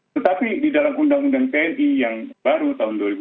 tetapi di dalam undang undang tni yang baru tahun dua ribu empat